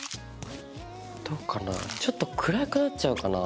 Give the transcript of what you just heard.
どうかなちょっと暗くなっちゃうかな？